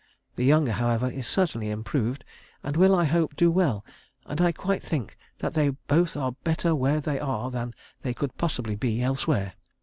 The younger, however, is certainly improved, and will, I hope, do well, and I quite think that they both are better where they are than they could possibly be elsewhere.